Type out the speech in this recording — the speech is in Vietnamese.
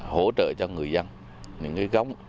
hỗ trợ cho người dân những cái gốc